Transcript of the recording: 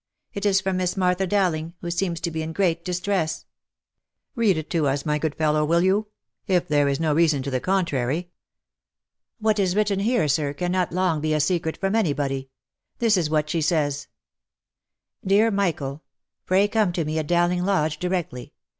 "" It is from Miss Martha Dowling, who seems to be in great distress." " Read it to us, my good fellow, will you ? If there is no reason to the contrary." " What is written here, sir, cannot long be a secret from any body. This is what she says :<" Dear Michael! <<?' Pray come to me at Dowling Lodge directly.